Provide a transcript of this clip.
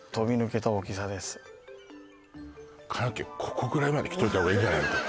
そうそうカナケイここぐらいまで来といた方がいいんじゃないの？